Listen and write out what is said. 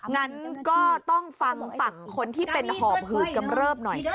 งั้นก็ต้องฟังฝั่งคนที่เป็นหอบหืดกำเริบหน่อย